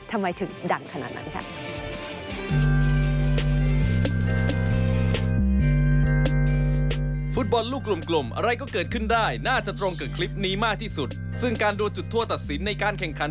ทำไมถึงดังขนาดนั้นค่ะ